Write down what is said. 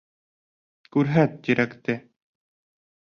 — Күрһәт тирәкте!